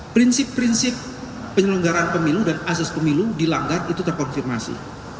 prinsip prinsip penyelenggaraan pemilu dan asas pemilu dilanggar itu terkonfirmasi